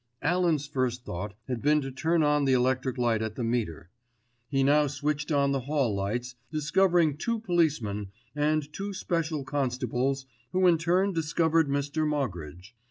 Alan's first thought had been to turn on the electric light at the meter. He now switched on the hall lights, discovering two policemen and two special constables, who in turn discovered Mr. Moggridge.